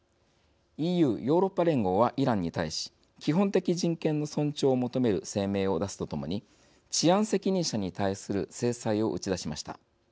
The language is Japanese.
ＥＵ＝ヨーロッパ連合はイランに対し基本的人権の尊重を求める声明を出すとともに治安責任者に対する制裁を打ち出しました。